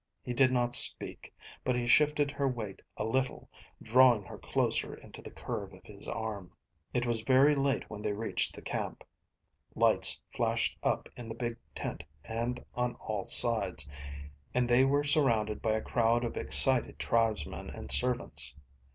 He did not speak, but he shifted her weight a little, drawing her closer into the curve of his arm. It was very late when they reached the camp. Lights flashed up in the big tent and on all sides, and they were surrounded by a crowd of excited tribesmen and servants.